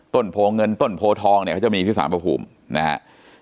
โพเงินต้นโพทองเนี่ยเขาจะมีที่สารพระภูมินะฮะ